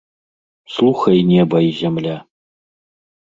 Слухай, неба і зямля!